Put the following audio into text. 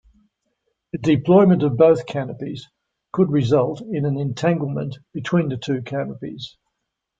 A deployment of both canopies could result in an entanglement between the two canopies.